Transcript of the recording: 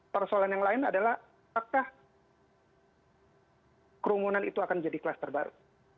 persoalan yang lain adalah apakah kerumunan itu akan jadi klaster baru